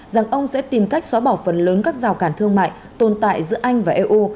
rằng ông sẽ tìm cách xóa bỏ phần lớn các rào cản thương mại tồn tại giữa anh và eu